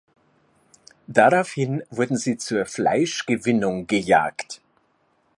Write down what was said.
Daraufhin wurden sie zur Fleischgewinnung gejagt.